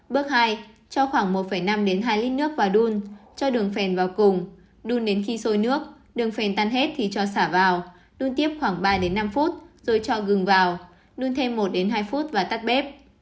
bước hai cho khoảng một năm đến hai lít nước và đun cho đường phèn vào cùng đun đến khi sôi nước đường phèn tan hết thì cho xả vào đun tiếp khoảng ba đến năm phút rồi cho gừng vào đun thêm một hai phút và tắt bếp